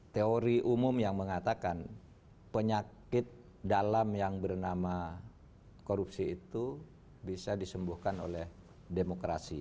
teori umum yang mengatakan penyakit dalam yang bernama korupsi itu bisa disembuhkan oleh demokrasi